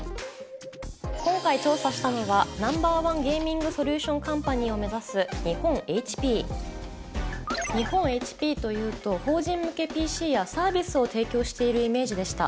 今回調査したのはＮｏ．１ゲーミングソリューションカンパニーを目指す「日本ＨＰ」日本ＨＰというと法人向けＰＣやサービスを提供しているイメージでした。